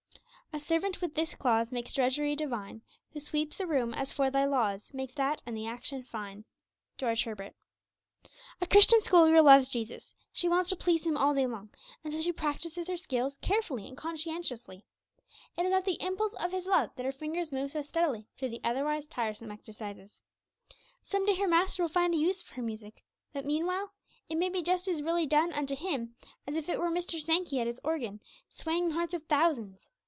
'A servant with this clause Makes drudgery divine; Who sweeps a room as for Thy laws, Makes that and the action fine.' George Herbert. A Christian school girl loves Jesus; she wants to please Him all day long, and so she practices her scales carefully and conscientiously. It is at the impulse of His love that her fingers move so steadily through the otherwise tiresome exercises. Some day her Master will find a use for her music; but meanwhile it may be just as really done unto Him as if it were Mr. Sankey at his organ, swaying the hearts of thousands.